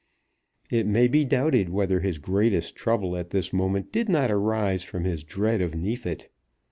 It may be doubted whether his greatest trouble at this moment did not arise from his dread of Neefit.